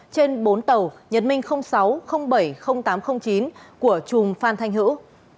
trên bốn tàu nhật minh sáu bảy tám chín của trùng phan thanh hữu